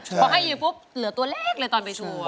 พอให้ใหญ่ปุ๊บเหลือตัวเล็กเลยตอนไปทั่ว